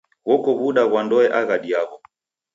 Ghoko w'uda ghwa ndoe aghadi yaw'o.